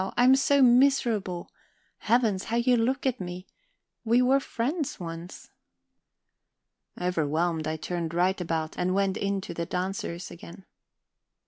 I am so miserable. Heavens, how you look at me. We were friends once..." Overwhelmed, I turned right about, and went in to the dancers again.